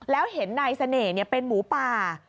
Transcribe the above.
แล้วเห็นนายเสน่ห์เป็นหมูป่า